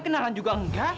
kenalan juga enggak